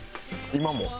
今も。